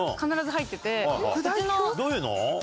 どういうの？